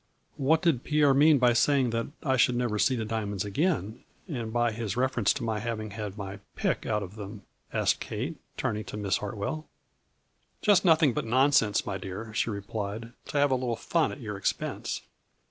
" What did Pierre mean by saying that I should never see the diamonds again, and by his reference to my having had my " pick " out of them ?" asked Kate, turning to Miss Hart well. "Just nothing but nonsense, my dear," she replied, " to have a little fun at your expense.